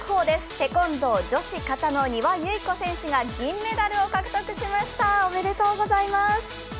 テコンドー女子・形の丹羽結子選手が銀メダルを獲得しました、おめでとうございます。